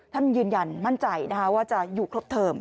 ท่านยืนยันมั่นใจว่าจะอยู่ครบเทิม